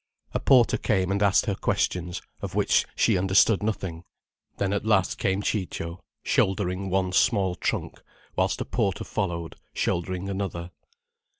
A porter came and asked her questions, of which she understood nothing. Then at last came Ciccio, shouldering one small trunk, whilst a porter followed, shouldering another.